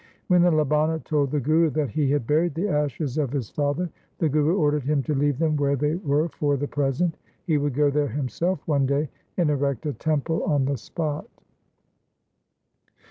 When the Labana told the Guru that he had buried the ashes of his father, the Guru ordered him to leave them where they were for the present. He would go there himself one day, and erect a temple on the spot.